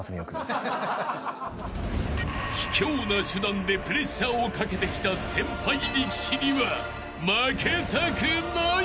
［ひきょうな手段でプレッシャーをかけてきた先輩力士には負けたくない］